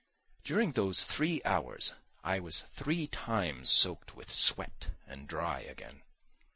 During those three hours I was three times soaked with sweat and dry again.